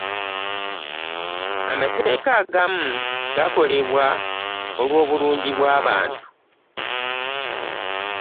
Amateeka agamu gakolebwa olwobulungi bw'abantu.